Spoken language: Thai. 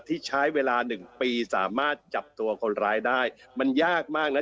ที่ใช้เวลาหนึ่งปีสามารถจับตัวคนร้ายได้มันยากมากนะ